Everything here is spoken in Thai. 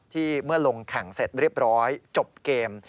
เมื่อลงแข่งเสร็จเรียบร้อยจบเกม